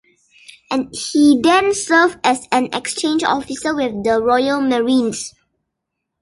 He then served as an exchange officer with the Royal Marines.